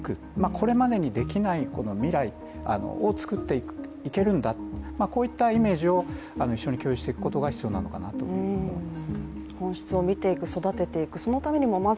これまでにできない未来を作っていけるんだこういったイメージを一緒に共有していくことが必要なのかなと思います。